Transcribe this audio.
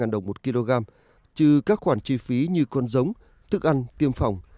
bốn mươi hai đồng một kg trừ các khoản chi phí như con giống thức ăn tiêm phòng